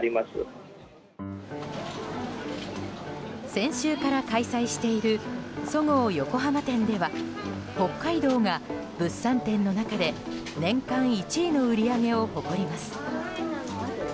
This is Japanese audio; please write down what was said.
先週から開催しているそごう横浜店では北海道が、物産展の中で年間１位の売り上げを誇ります。